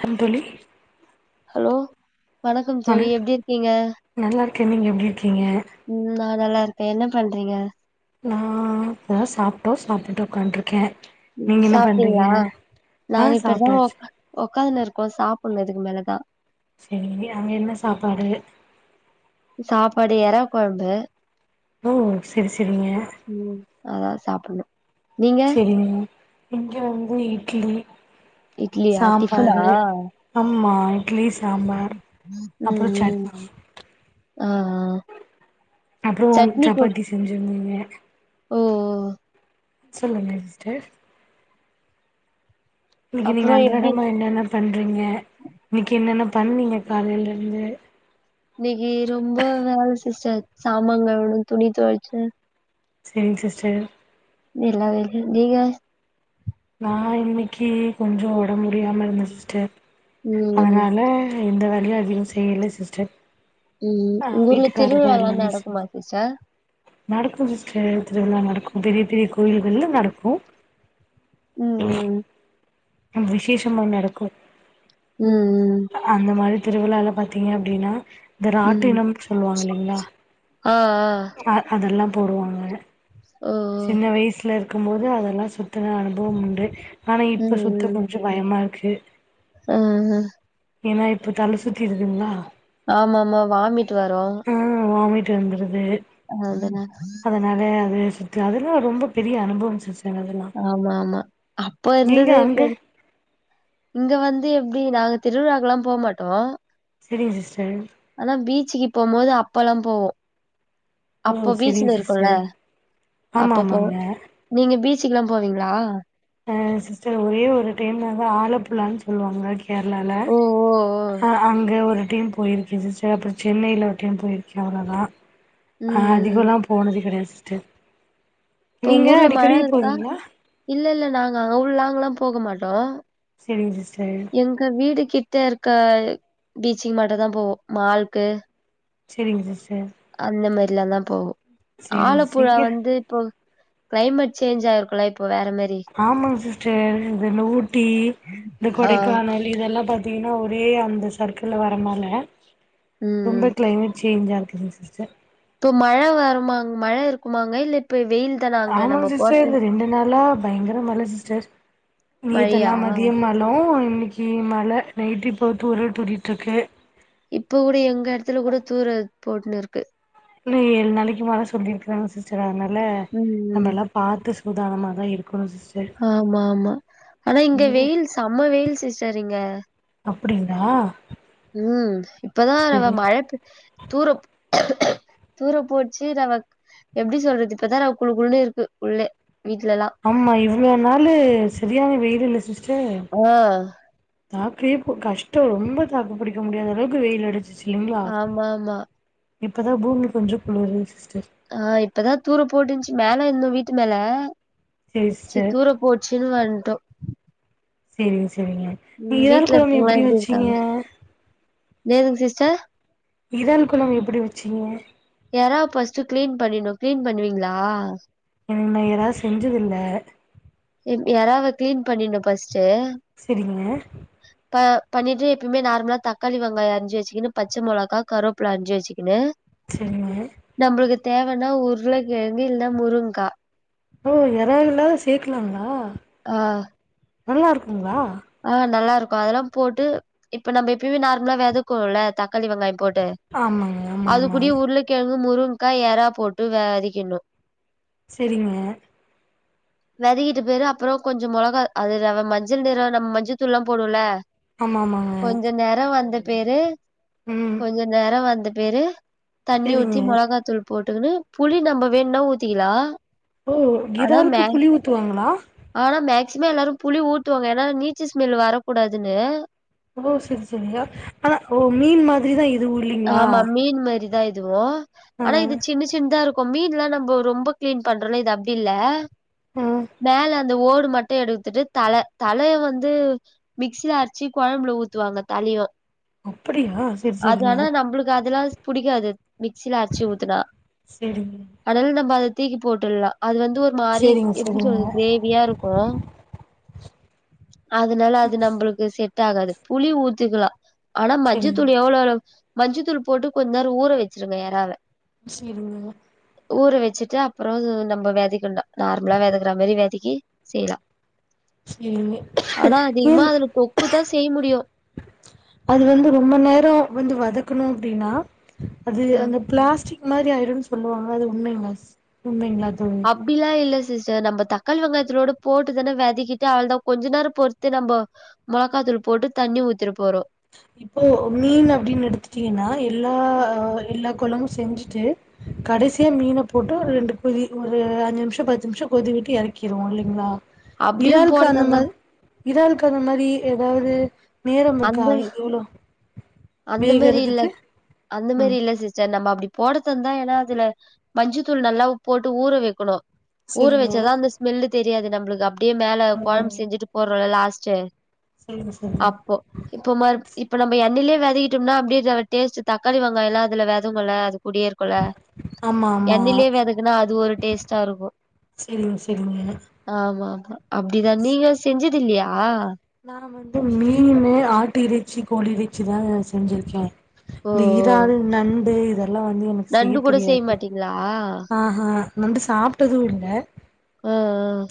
ஹ தோழி ஹலோ வணக்கம் தோழி வணக் எப்டி இருக்கீங்க நல்லா நீங்க எப்படி இருக்கி இங்க ஆஹ் நல்லா இருக்கேன் என்ன பண்றீங்க நான் அதான் சாப்பிட்டோ சாப்பிட்டு உட்காண்டருக்கேன் உம் சாப்பிட்டீங்களா ஆ நாங்க இப்பதான் சாப்ட்டாச்சு உட் உட்காந்துன்ன இருக்கும் சாப்பிடணும் இதுக்கு மேலதான் செரிங்க அங்க என்ன சாப்பாடு சாப்பாடு இற குழம்பு ஓ செரி செரிங்க அதான் சாப்பிடணும் செரிங்க இங்க வந்து இட்லி இட்லியா டிஃபனா சாம்பரு அம்மா இட்லி சாம்பார் ம் அப்புறோ சட்னி ஆஹ்ஹ் அப்புறோ சப்பாத்தி செஞ்சிருந்தீங்க ஓ ஓ சொல்லுங்க சிஸ்டர் இன்னைக்கு நீங்க அப்றோ எப்டி அன்றாடமா என்னென்ன பண்றீங்க இன்னைக்கு என்னென்ன பண்ணீங்க காலில இருந்து இன்னைக்கு ரொம்ப வேல சிஸ்டர் சாமங்கழுவணும் துணி துவச்ச சேரிங் சி்ஸ்டர் இல்ல வைகில நீங்க நான் இன்னைக்கு கொஞ்சோ உடம்புடியாம இருந்தேன் சிஸ்டர் ம் ம் அதனால அ இந்த வேலியையும் அதிகம் செய்யல சிஸ்டர் உம் ஆ உங்க ஊர்ல வீட்டுக்காரர் திருவிழாலா நடக்குமா சிஸ்டர் நடக்கும் சிஸ்டர் இப்படியெல்லா நடக்கும் பெரிய பெரிய கோயில்கள்ல நடக்கும் ம் ஆ விசேஷமா நடக்கும் உம் உம் திருவிழால பாத்தீங்க அப்படின்னா த ம் ராட்டிம் சொல்லுவாங்க இல்லைங்களா ஆ ஆ அ அதெல்லாம் போடுவாங்க ஓ ஓ சின்ன வயசுல இ க்கும்போது அதெல்லா சுத்தன அனுபவம் உண்டு ஆனா இப்ப சுத்த கொஞ்சோ பயமா இரு கு அஹ்ஹா ஏன்னா இப்போ தல சுத்திருதுங்களா ஆமா ஆமா வாமிட் வரு ட் வந்துருது [unintelligible] [unintelligible] அதெல்லா ரொம்ப பெரிய அனுபவம் சிஸ் ஆமா ஆமா அப்போ நீங்க இருந்தது அங்க இப்போ இங்க வந் ந்து எப்டி நாங்க திருவிழாக்கெல்லா போ மாட்டோ சரிங்க சிஸ்டர் ச்சீ போம்போது அப்பெல்லா போவோ அப்போ ஓ செரிங்க பீச்சல இருக்கோல சிஸ்டர் ஆமா அப்ப போவோ ஆமாங்க நீங்க பீச் ச்சிக்கலா போவீங்களா ஹா சிஸ்டர் ஒரே ஒரு டைம் நாங்களா ஆலப்புலான்னு சொல்லுவாங்க கேரளால ஓ ஓ ஓ ஆ அங்க ஒரு டீம் போயிருக்கே சிஸ்டர் அப்றோ சென்னையில ஒரு டைம் போயிருக்கே அவளோதா ம் ஆஹ் அதிகோ ம் எல்லா போனது கெடையாது சிஸ் த்து இப்ப உங்க நீங்க ஊர்ல மழ அடிக்கடி இருக்கா போவீங்களா இல்ல இல்ல நாங்க அங் அவ்ளோளாங்கலா போக மாட்டோ செரிங்க சிஸ்டர் எங்க வீடு கிட் ட்ட இருக்க பீச்சீக் மட்டு தா போவோ மால்க்கு சரிங்க சிஸ் அந்த மாரி இதெல்லாதா போகு செரிங்க சிஸ்டர் ஆலப்புழா இங்க வந்து இப்போ கிளைமேட் சேஞ்ச் ஆயிருக்கும்ல இப் ஆமாங்க சிஸ்டர் இ இந்த ஊட்டி இந்த ஆ கொடைக்கானல் இதெல்லா பாத் த்தீங்கனா ஒரே அந்த சர்க்கிள் வரமல ம் ரொம்ப கிளைமேட் சேஞ்ச் ஆ சரிங்க சிஸ்டர் இப்போ மழை வருமா அங் மழை இருக்குமாங்க இல்ல இப்போ ஆமா சிஸ்டர் இந்த ரெண்டு நாளா பயங்கர மழ சிஸ்டர் மழையா நேத்தெல்லா மதியம் மழோ இ கி மழ நைட்டு இப்போ தூறல் தூரிட்ருக்கு இப்ப கூட எங்க இடத்துல கூட தூரல் போட்டுன்னு இருக் இன்னு ஏழு நாளைக்கு மழ சொல்லிருக்றாங்க சிஸ்டர் அதனால நம்ம ம் எல்லா பாத்து சூதானமா தா இருக் ஆமா ஆமா ஆனா இங்க ம் வெயில் செம வெயில் சிஸ்டர் இங்க அப்டிங்ளா ம் இப்பதா நம்ம மழ பே தூற தூறப்போச்சு நாம எப்டி சொல்றது இப்பதான குழுகுழுன்னு இருக்கு உள்ளே வீட்லலாம் ஆம்மா இவ்ளோ நாளு சரியான வெயில் இல்ல சிஸ்டர் ஆ தாக்கே கஷ்டோ ரொம்ப தாக்கு புடிக்க முடியாத அளவுக்கு வெயில் அடிச் ஆமாமா இப்பதா பூமி கொஞ்சம் குளுருச் ஆ இப்பதான் தூர போட்டுச்சு மேல மேல இந்த வீட்டு மேல சேரி சிஸ்டர் சித்தூர போச்சுன்னு வரட்டோம் செரிங்க சிஸ் சரிங்க நீ ம் இறால் வீட்ல கொழம்பு இருக்கவங்களா எப்பிடி எப்டி வச்சீங்க இருக்காங்க நேத்துக்கு சிஸ்டர் இறால் கொழம்பு எப்பிடி வச்சீங்க எராவ ஃபர்ஸ்ட் கிளீன் பண்ணின்னும் கிளீன் பண்ணுவீங்களா ம் நா எறா செஞ்சதில்ல எராவ கிளீன் பண்ணின்னும் ஃபஸ் ஸ்ட் செரிங்க அ பண்ணிட்டு எப்புமே நார்மலா தக்காளி வெங்காயம் அரிஞ்சு வச்சுக்குனு பச்ச மொளகா கருவப்பில அஞ்சு வச்சுக்குனு செரிங்க தேவனா உருளக்கெழங்கு இல்ல முருங்க்கா ஓ எறால்ல சேக்கலாம்ங்களா ஆ நல்லா இருக்கும்ங்களா ஆ நல்லா இருக்கும் அதெல்லாம் போட்டு இப்ப நம்ம எப்புயுமே நார்மலா வெதக்கவோ ல்ல தக்காளி வெங்காயம் போட்டு ஆமாங்க ஆமா அது ஆமா கூடிய உருளகெழங்கே றம் முருங்க்கா ஏறா போட்டு வதிக்கனும் செரிங்க வெதக்கிட்ட பேரு அப்பறொ கொஞ்சொ மொளகா அது நம்ம மஞ்சள் நிறொ நம்ம மஞ்சத்தூள்லா போர்றோல்ல ஆமா ஆமாங்க கொஞ்சொ நேரொ வந்துட் பேரு ம் கொஞ்சொ நேரொ வந்துட் வேறு தண்ணி செரிங்க ஊத்தி மொளகா தூள் போட் டுக்குனு புளி நம்ப வேண்ணா ஊத்திக்கிலா ஓ கீதாருக்கு புலி ஊத் த்துவாங்களா ஆனா மேக்சிமம் எல்லாரும் புளி ஊத்தூவாங்க ஏன்னா நீச்சி ஸ்மெல் வரக்கூடாதுன்னு ஓ சரி சரியா ஆனா ஓ மீன் மாதிரிதா இது ஆமா மீன் மாறி தா இது அதுவும் ஆ ஆனா இது சின்ன சின்னதா இருக்கும் மீன் எல்லா நம்ம ரொம்ப கிளீன் பண்றோம்ல இது அப்படி இல்ல ஆ வேல அந்த ஓடு மட்டும் எடுத்துட்டு தலை தலைய வந்து மிக்சியில அரிச்சு குழம்புல ஊத்துவாங்க தலையு அப்படியா சரி சரி அது ஆனா நம்பளுக்கு அதெல்லா பிடிக்காது மிக்சில அரச்சு ஊத்துனா செரிங்க அதனால நம்ம அது தீக்கி போட்டுறல்லா அது வந்து ஒரு மாதிரி செரிங்க எப்படி செரிங்க சொல்றது கிரேவியா இருக்கும் அதனால அது நம்மளுக்கு செட் ஆகாது புளி ஊத்துக்கலா ஆனா மஞ்ச துணி எவ்ளோளவு மஞ்சு தூள் போட்டு கொஞ்ச நேரம் ஊற வச்சிருங்க எராவ சரிங்க ஊற வச்சுட்டு அப்புறம் நம்ம வெதக்கன்னு நார்மலா வெதக்குற மாதிரி வெதக்கி செய்யலா சரிங்க ஆனா அதிகமா ஏன் அதுல தொக்குதா செய்ய முடியு அது வந்து ரொம்ப நேரம் வந்து வதக்கணும் அப்படின்னா அது அ அந்த பிளாஸ்டிக் ஒரு மாரி ஆயிரும்ன்னு சொல்லுவாங்க அது உண்மைங்களா சிஸ் உண்மைங்களா தோழி அப்டிலா இல்ல‌ சிஸ்டர் நம்ம தக்காளி வெங்காயத்தலோட போட்டுதானே வெதக்கிட்டு அவ்ளதா கொஞ்ச நேர பொறுத்து நம்ம மிளகாத்தூள் போட்டு தண்ணி ஊத்திட போறோ இப்போ மீன் அப்படின்னு எடுத்துட்டீங்கன்னா எல்லா எல்லா குழம்பு செஞ்சுட்டு கடைசியாக மீனை போட்டு ஒரு ரெண்டு கொதி ஒரு அஞ்சு நிமிஷம் பத்து நிமிஷம் கொதி விட்டு இறக்கிடுவோம் இல்லைங்களா அப்டியும் இறால்க்கு போடுதாந்தா அந்தமா இறாலுக்கு அந்த மாரி ஏதாவது நேரம் இருக்கா அந்த இ அந்த மெரி இல்ல அந்த மெரி ம் இல்ல சிஸ்டர் நம்ம அப் அப்படி போட்றதா இருந்தா ஏன்னா அதுல மஞ்சு தூள் நல்லா போட்டு ஊற வைக்கணும் ஊற சரிங்க வச்சதான் அந்த ஸ்மெல்லு தெரியாது நம் ஒழங்காப் டியே மேல ஆ குழம்பு செஞ்சட்டு போட்றது லாஸ்ட் ச்ச சரிங்க சரிங்க அப்போ இப்போ மறு இப்ப நம்ப எண்ணெலேயே வே துக்கிட்டோம்னா அப்டியே ஜே டேஸ்ட் தக்காளி வெங்காயலா அதுல வெதங்கும்ல அது கூடியே இருக்கும்ல ஆமா ஆமா எண்ணைலே வெதக்குனா அது ஒரு டேஸ்டா இருக்கும் சரிங்க சரிங்க ஆமா அப்டிதான் நீங்க செஞ்சு இத்தில்லியா நா வந்து மீனு ஆட்டு இறைச்சி கோழி இறைச்சி தா செஞ்சிருக்கேன் ஓ இந்த இறால்லு நண்டு அதுலாவந்து எனக்கு செய்ய நண்டு கூட தெரியாது மாட்டீங்களா ஆ ஹா நண்டு சாப்ட்டதும் இல்ல ம் ம்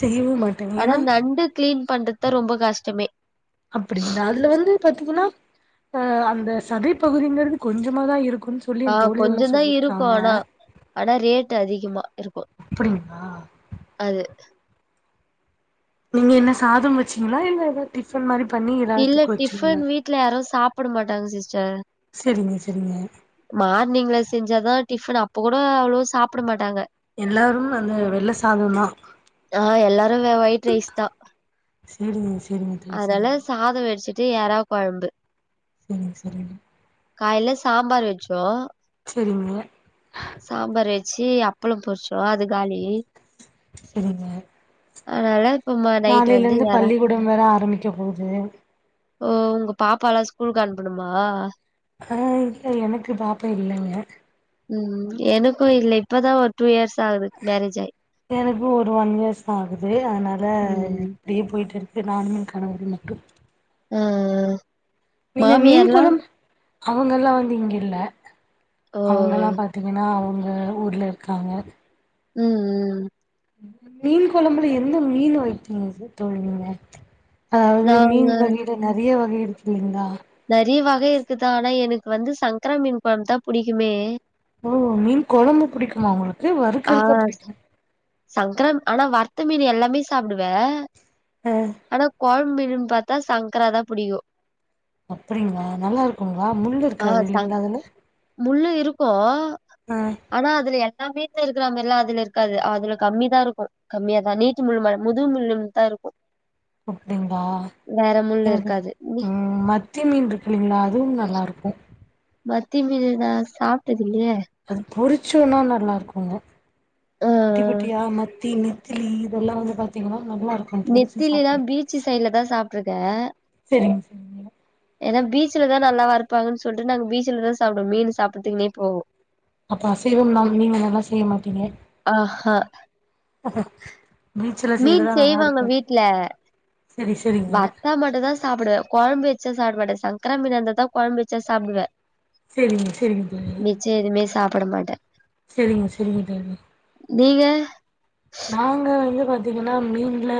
செய்யவு மாட்டே ஆனா ஏன்னா நண்டு கிளீன் பண்றத் தா ரொம்ப கஷ்டமே அப்டிங்களா அதுல வந்து பாத்தீங்கன்னா அ அந்த சதை பகுதிங்கிறது கொஞ்சமாதா இருக் ஆ கொஞ்சதான் இருக்கும் ஆனா ஆனா ரேட்டு அதிகமா இருக்கும் அப்டிங்களா அது நீங்க என்ன சாதம் வச்சீங்களா இல்ல ஏதா டிஃபன் மாரி பண்ணி இறால் இல்ல தொக்கு வச்சீங்களா டிபன் வீட்ல யாரும் சாப்புட மாட்டாங்க சிஸ்டர் செரிங்க செரிங்க மார்னிங்ல செஞ்சாதான் டிஃபன் அப்போ கூட அவ்ளோ சாப்புட மாட்டாங்க எல்லாரும் அந்த வெள்ள சாதம் தா ஆ எல்லாரும் வே ஒயிட் ரைஸ் தா செரிங்க ஸ் அதனால சாதம் வெடிச்சிட் டு எறா கொழம்பு சரிங்க சரிங்க காலில சாம்பார் வச்சோம் தெரியுங்க சாம்பார் வச்சு அப்பளம் பொரிச்சோம் அது காலி சரிங்க அதனால இப்ப ம நைட் வந்து நாளைலேந்து எறா பள்ளிக்கூடம் வேற ஆரம்பிக்க போவ்து ஓ உங்க பாப்பாலா ஸ்கூலுக் அனுப்பணுமா ஆ எனக்கு பாப்பா இல்லங்க ம் எனக்கு இல்ல இப்பதா ஒரு டூ இயர்ஸ் ஆகுது மேரேஜ் ஆயி எனக்கு ஒரு ஒன் இயர்ஸ்தா ஆகுது அனால ம் இப்டியே போய்ட்ருக் கு நானும் என் கணவரு மட்டு அ ஆ நீங்க மீன் மாமியார்லா குழம் அவங்கெல்லா வந்து இங்க இல்ல. ஓ! அவங்கலா பாத்தீங்கன்னா அவங் எல்லாரு ஊர்ல இருக்காங்க ம் ம் ம் மீன் குழம்புல எந்த மீன வைத்தீங்க ச [unintelligible] அதாவது நான் மீன் வகைல நெறைய வ நெறயருக்குது இந்தா நறிய வகை இருக்குதா ஆனா எனக்கு வந்து சன்க்ரா மீன் கொழம் தா புடிக்குமே. ஓ மீன் கொழம்பு புடிக்குமா ஒங்களுக் க்கு வறுக்குறக்க பிடிக்கல. சங்கரம் ஆனா வற்த்த மீனு எல்லாமே சாப்புடுவே ஆ ஆனா கொழமு மீன் னு பாத்தா சங்கராதா புடிக்கு. அப்படிங்களா, நல்லா இருக்குங்களா? முள்ளு ஆ இருக்காது சங் இல்லீங்களா அதுல? முள்ளு இருக்கோ ஆ ஆனா அதுல எ நா வீ ல இருக்கிற மாரி எல்லா அதுல இருக்காது, அதுல கம்மிதா இருக்கு கம்மியாதா நீட்டு முள்ளு முதுகு முள்ளுதா இருக்கு அப்படிங்களா, எனக்கு இருக்காது. மி ம் மத்தி மீன் இருக்கு இல்லீங்களா அதுவும் நல்லா இருக்கு மத்தி மீனு நா சாப்ட்டுரு அது புரி சுன்னா நல்லாருக்குங்க அ, குட்டி அ. குட்டியா மத்தீனு த்திலி இதெல்லா வந்து பாத்தீங்கனா நெத்திலினா பீச்சு சைட்ல தா சாப் ட்டுருக்க செரிங்க செரிங்க ஏன்னா பீச்சுல தா நல்லாவா இருப்பாகன்னு சொல்ட்டு நாங்க பீச்சுல தா சாப்புடுவோ மீன் சாப்டுதுக்குன்னே போவோ அப்ப அசைவம் நாளுமே மீனெல்லா செய்யமாட்டீங்க. ஆஹா அஹ மீன் செய்வாங்க வீட்ல, செரி செரிங்க வறுத்தா மட்டுதா சாப்பிடுவே. கொழம்பு வச்சா சாப்புட மாட்டே, சங்கரா மீனா இருந்தா தா கொழம்பு வச்சு சாப்புடுவே. செரிங்க, செரிங்க தோழி போட மாட்டே செரிங்க செரிங்க தோழி நீங்க நாங்க வந்து பாத்தீங்கன்னா மீன்ல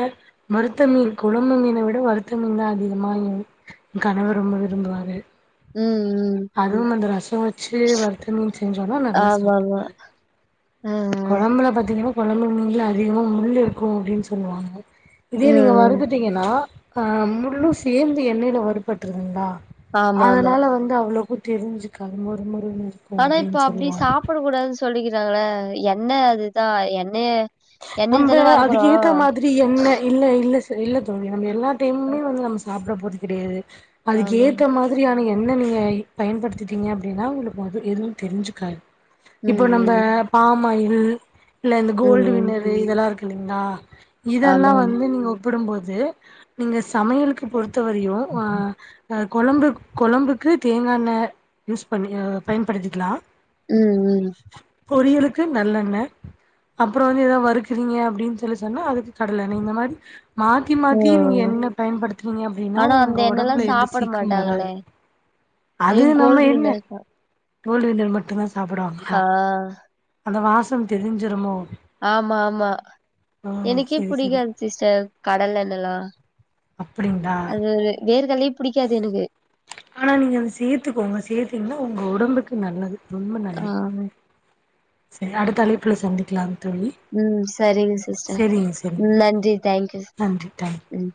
மருத்த மீன் கொழம்பு மீன விட வருத்த மீன் தா அதிகமா இ கணவர் ரொம்ப விரும்புவாரு ம் ம் அதுவூ அந்த ரசம் வெச்சு வருத்த மீன் செஞ்சோனா நல்லா சாப்ட் ஆமாமா ஆ [inaudible] கொழம்புல பாத் திங்கமா கொழம்பு மீன்லே அதிகமா முள்ளு இருக்கோ அப்டின் சொல்லுவாங்கே இதே ஆ நீங்கே ம் வருத்துட்டீங்கனா ஆ முள்ளூ சேந்து எண்ணெயிலே வருபற்றுதுங்ளா ஆமாமா அதனாலே வந்து அவ்ளோ புது தெரிஞ்சுக்காது மொருமொரு ஆனா இப்போ அப்டி சாப்புட கூடாதுன் சொல்லிகிரு காங்களே எண்ணெ அதுதா எண்ணெயே நம்பே அதுக்கு ஏத்தே மாதிரி எண்ணெ இல்லே இல்லே தனில்லேப் தோழி நம்மே எல்லா டைம்மே வந்து நம்மே சாப்பரம் போத்து கிடேயிரு அதுக் ஆமா கேத்த மாதிரியான எண்ணெ நீங்கே இப் பயன்படுத்திட்டீங்கே அப்டினா உங்குளுக் மொது எதுவு தெரிஞ்சுக்காது ம் இப்போ நம்பே ம் பாமாயில் அ ல இந்த ம் கோல் [unintelligible] ம் அது இதல்லா குல்லீங்ளா இதல்லா ஆமாமா வந்து நீங்க விடும்போது நீங்க சமையலுக்கு பொறுத் த்த வரையு ஆ அ கொழம்பு கொழம்புக்கு தேங்கா எண்ணய் யூஸ் பண்ணி பயன்படுத்திக்கலா உம் உம் பொரியலுக்கு நல்லண்ண அப்- அப்புறோ வந்து ஏதாவது வருக்குறீங்க அப்படின்னு சொல்லி சொன்னா அதுக்கு கடலென்ன இந்த மாரி மாத்தி மாத்தி ஓ நீங்க என்ன பயன்படுனீங்க அப்படின்னா ஆனா உங்க அந்த எண்ணெல்லா ஒடம்புல எந்த சாப்பிட சீக்கும் மாட்டாங்களே வராது ஏ அது நம்ம கோல்டு என்ன வின்னர் தா கோல்வினர் மட்டும்தா ஆ அந்த வாசம் தெரிஞ்சுருமோ ஆமா ஆமா எனக்கே செரி செரி புடிக்காது சிஸ்டர் கடல்லெண்ணலா அப்படிங்களா [unintelligible] எனக்கு ஆனா நீங்க அத சேத்துக்கோங்க சேத்தீங்கன்னா ஒங்- ஒடம்புக்கு நல்லது ரொம்ப ஆ நல்லது சரி அடுத்த அழப்புள்ள சந்திக்கலா உம் சரிங்க சிஸ்டர்ம் செரிங்க நன்றி தேங்க்யூ நன்றி தேங்க்யூ ம்